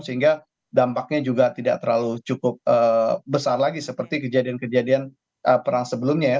sehingga dampaknya juga tidak terlalu cukup besar lagi seperti kejadian kejadian perang sebelumnya ya